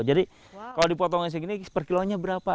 jadi kalau dipotong seperti ini per kilonya berapa